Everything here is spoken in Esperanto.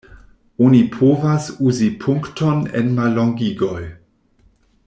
Oni povas uzi punkton en mallongigoj.